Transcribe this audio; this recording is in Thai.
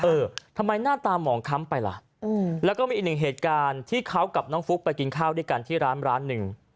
เออทำไมหน้าตาหมองค้ำไปล่ะแล้วก็มีอีกหนึ่งเหตุการณ์ที่เขากับน้องฟุ๊กไปกินข้าวด้วยกันที่ร้านร้านหนึ่ง